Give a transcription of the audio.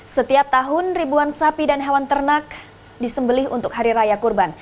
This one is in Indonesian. setiap tahun ribuan sapi dan hewan ternak disembelih untuk hari raya kurban